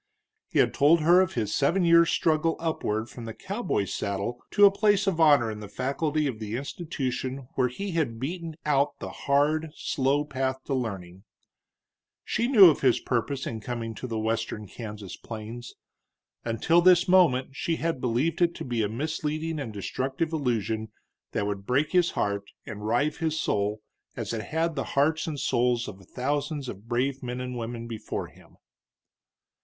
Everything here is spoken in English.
He had told her of his seven years' struggle upward from the cowboy's saddle to a place of honor in the faculty of the institution where he had beaten out the hard, slow path to learning; she knew of his purpose in coming to the western Kansas plains. Until this moment she had believed it to be a misleading and destructive illusion that would break his heart and rive his soul, as it had the hearts and souls of thousands of brave men and women before him.